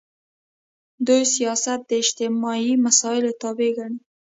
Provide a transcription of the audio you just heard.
دوی سیاست د اجتماعي مسایلو تابع ګڼي.